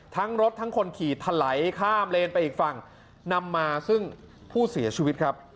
ทั้งรถทั้งคนขี่ถลายข้ามเลนไปอีกฝั่งนำมาซึ่งผู้เสียชีวิตครับ